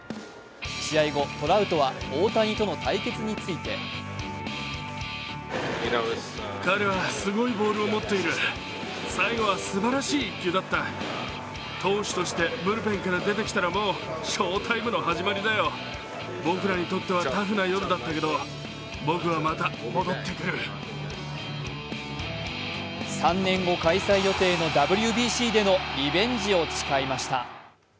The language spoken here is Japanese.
試合後、トラウトは大谷との対決について３年後開催予定のＷＢＣでのリベンジを誓いました。